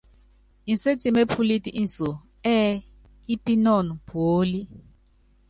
Inséti mépúlít inso ɛ́ɛ ípínɔn puólí.